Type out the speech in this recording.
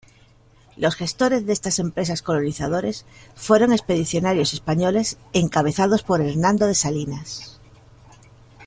Los gestores de estas empresas colonizadores fueron expedicionarios españoles encabezados por Hernando de Salinas.